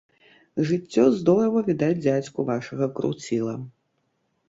Жыццё здорава, відаць, дзядзьку вашага круціла.